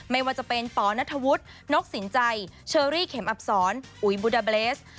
ไม่ว่าจะเป็นปนัทธวุฒินกสินใจเชอรี่เข็มอับศรอุ๋ยบุดาเบรส